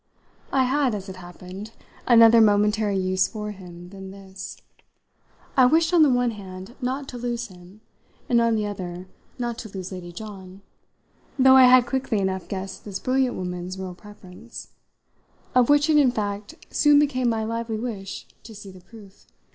I had, as it happened, another momentary use for him than this: I wished on the one hand not to lose him and on the other not to lose Lady John, though I had quickly enough guessed this brilliant woman's real preference, of which it in fact soon became my lively wish to see the proof.